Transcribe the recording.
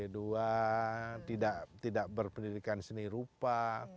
dua tidak berpendidikan seni rupa